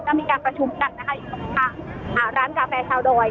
จะมีการประชุมกันนะคะอยู่ตรงนี้ค่ะอ่าร้านกาแฟชาวดอย